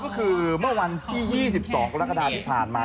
ก็คือเมื่อวันที่๒๒กรกฎาที่ผ่านมา